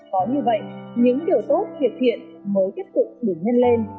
có như vậy những điều tốt hiệp thiện mới tiếp tục được nhân lên